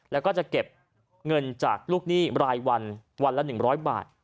แล้วก็จะเก็บเงินจากลูกหนี้รายวันวันละ๑๐๐บาท